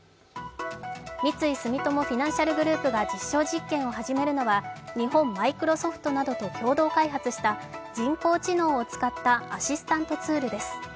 三井住友フィナンシャルグループが実証実験を始めるのは日本マイクロソフトなどと共同開発した人工知能を使ったアシスタントツールです。